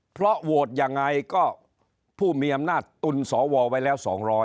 เพราะโหวตยังไงก็ผู้มีอำนาจตุนสวไว้แล้ว๒๐๐